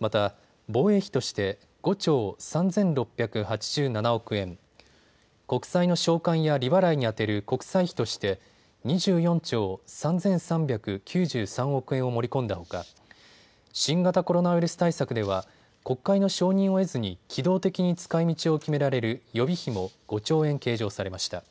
また、防衛費として５兆３６８７億円、国債の償還や利払いに充てる国債費として２４兆３３９３億円を盛り込んだほか新型コロナウイルス対策では国会の承認を得ずに機動的に使いみちを決められる予備費も５兆円計上されました。